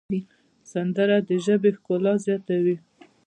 سندره د ژبې ښکلا زیاتوي